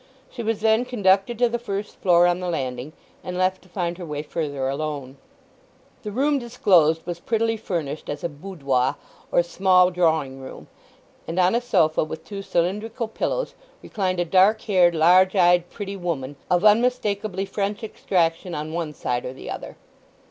She was then conducted to the first floor on the landing, and left to find her way further alone. The room disclosed was prettily furnished as a boudoir or small drawing room, and on a sofa with two cylindrical pillows reclined a dark haired, large eyed, pretty woman, of unmistakably French extraction on one side or the other.